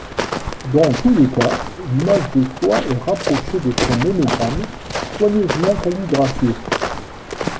Dans tous les cas, l'image de soi est rapprochée de son monogramme, soigneusement calligraphié.